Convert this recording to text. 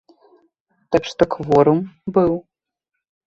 Так што кворум быў.